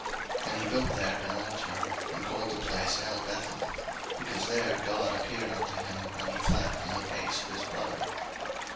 01:035:007 And he built there an altar, and called the place Elbethel: because there God appeared unto him, when he fled from the face of his brother.